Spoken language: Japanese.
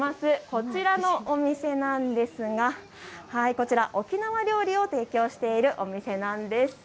こちらのお店なんですが沖縄料理を提供しているお店なんです。